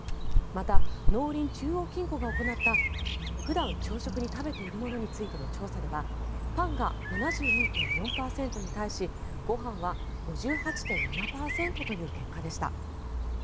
また、農林中央金庫が行った普段、朝食で食べているものは？という調査ではパンが７２．４％に対しご飯は５８．７％という結果でした。